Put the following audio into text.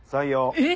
えっ！？